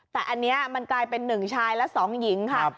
แต่อันนี้มันกลายเป็น๑ชายและ๒หญิงค่ะ